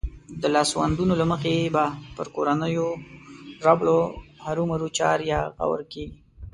د لاسوندو له مخې به پر کورنيو ربړو هرومرو چار يا غور کېږي.